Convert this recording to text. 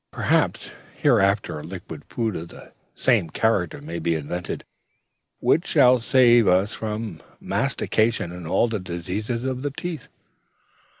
Perhaps, hereafter, a liquid food of the same character may be invented, which shall save us from mastication and all the diseases of the teeth.'